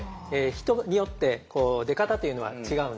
人によって出方というのは違うんです。